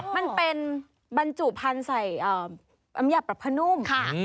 มันเป็นบรรจุพันธุ์ใส่น้ำยาปรับพนุ่มค่ะ